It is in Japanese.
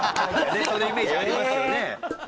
冷凍のイメージありますよね。